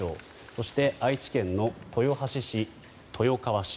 そして、愛知県の豊橋市、豊川市。